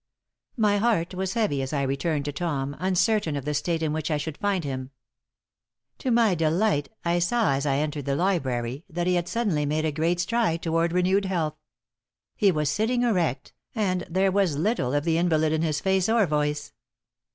My heart was heavy as I returned to Tom, uncertain of the state in which I should find him. To my delight, I saw as I entered the library that he had suddenly made a great stride toward renewed health. He was sitting erect, and there was little of the invalid in his face or voice.